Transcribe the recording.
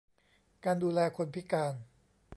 การดูแลคนพิการ